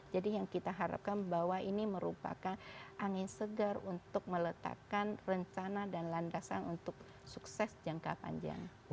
jadi yang kita harapkan bahwa ini merupakan angin segar untuk meletakkan rencana dan landasan untuk sukses jangka panjang